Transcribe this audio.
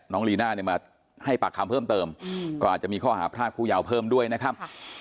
ลีน่าเนี่ยมาให้ปากคำเพิ่มเติมก็อาจจะมีข้อหาพรากผู้ยาวเพิ่มด้วยนะครับ